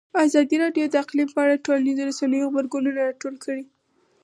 ازادي راډیو د اقلیم په اړه د ټولنیزو رسنیو غبرګونونه راټول کړي.